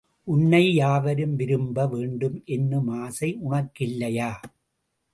உன்னை யாவரும் விரும்ப வேண்டும் என்னும் ஆசை உனக் கில்லையா?